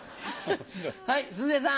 はい鈴江さん。